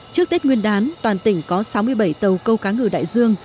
trước tết nguyên đán toàn tỉnh có sáu mươi bảy tàu câu cá ngừ đại dương